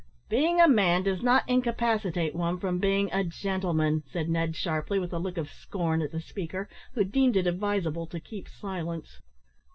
"Being a man does not incapacitate one from being a gentleman," said Ned, sharply, with a look of scorn at the speaker, who deemed it advisable to keep silence.